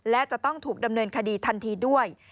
และจะต้องถูกดำเนินคดีทันทีด้วย